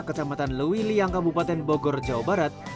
kecamatan lewiliang kabupaten bogor jawa barat